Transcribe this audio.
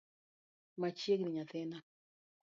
Machiegni nyathina.